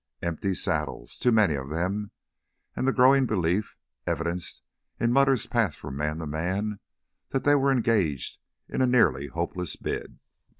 Empty saddles, too many of them, and the growing belief evidenced in mutters passed from man to man that they were engaged in a nearly hopeless bid.